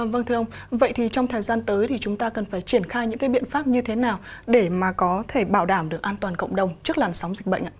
vâng thưa ông vậy thì trong thời gian tới thì chúng ta cần phải triển khai những cái biện pháp như thế nào để mà có thể bảo đảm được an toàn cộng đồng trước làn sóng dịch bệnh ạ